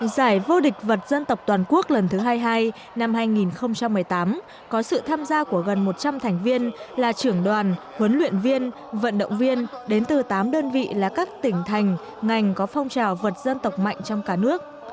giải vô địch vật dân tộc toàn quốc lần thứ hai mươi hai năm hai nghìn một mươi tám có sự tham gia của gần một trăm linh thành viên là trưởng đoàn huấn luyện viên vận động viên đến từ tám đơn vị là các tỉnh thành ngành có phong trào vật dân tộc mạnh trong cả nước